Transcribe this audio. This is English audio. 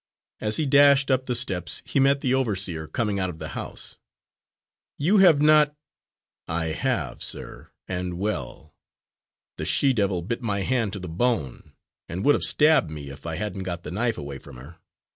As he dashed up the steps he met the overseer coming out of the house. "You have not " "I have, sir, and well! The she devil bit my hand to the bone, and would have stabbed me if I hadn't got the knife away from her.